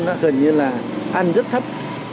nó gần như là ăn rất thấp